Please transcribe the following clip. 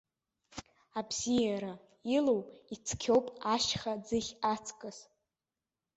Абзиара илоу ицқьоуп ашьха ӡыхь аҵкыс.